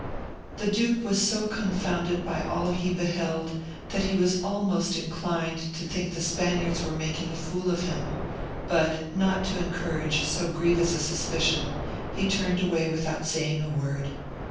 The duke was so confounded by all he beheld, that he was almost inclined to think the Spaniards were making a fool of him; but, not to encourage so grievous a suspicion, he turned away without saying a word.